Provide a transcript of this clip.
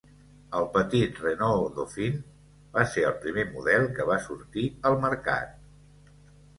El petit Renault Dauphine va ser el primer model que va sortir al mercat.